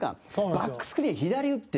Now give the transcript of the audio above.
バックスクリーン、左、打って。